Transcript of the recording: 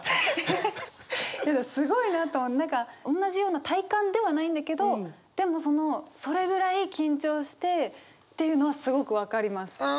すごいなと何か同じような体感ではないんだけどでもそのそれぐらい緊張してっていうのはすごく分かります。